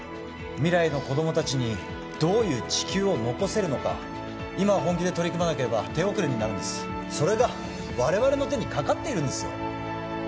未来の子供達にどういう地球を残せるのか今本気で取り組まなければ手遅れになるんですそれが我々の手にかかっているんですよ